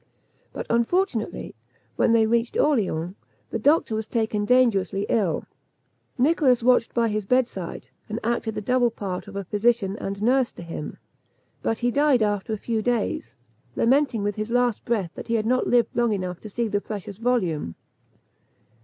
But, unfortunately, when they reached Orleans, the doctor was taken dangerously ill. Nicholas watched by his bedside, and acted the double part of a physician and nurse to him; but he died after a few days, lamenting with his last breath that he had not lived long enough to see the precious volume.